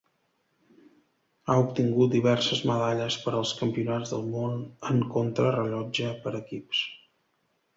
Ha obtingut diverses medalles als Campionats del Món en Contrarellotge per equips.